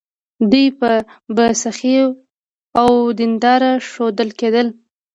دوی به سخي او دینداره ښودل کېدل.